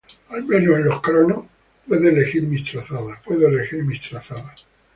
Al menos en los cronos puedo elegir mis trazadas.